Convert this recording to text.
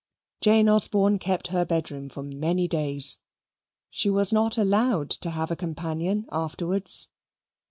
Jane Osborne kept her bedroom for many days. She was not allowed to have a companion afterwards.